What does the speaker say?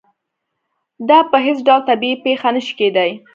دا په هېڅ ډول طبیعي پېښه نه شي کېدای.